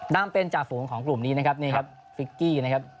นำเป็นจ่าฝูงของกลุ่มนี้นะครับนี่ครับฟิกกี้นะครับ